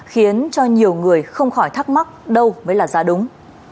khiến cho nhiều người không khỏi thắc mắc đâu mới là ra đúng